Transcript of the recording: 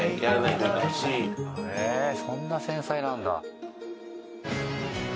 へえそんな繊細なんだ。